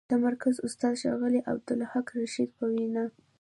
د مرکز استاد، ښاغلي عبدالخالق رشید په وینا: